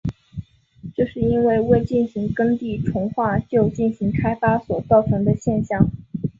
这是因为未进行耕地重划就进行开发所造成的现象。